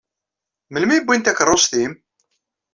Melmi i wwin takeṛṛust-im?